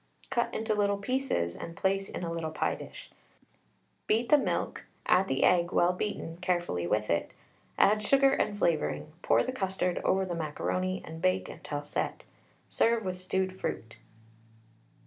Cut into little pieces and place in a little pie dish; beat the milk, add the egg, well beaten, carefully with it, add sugar and flavouring, pour the custard over the macaroni, and bake until set. Serve with stewed fruit.